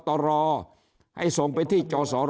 ทางนี้